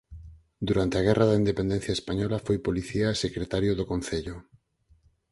Durante a Guerra da Independencia española foi policía e secretario do concello.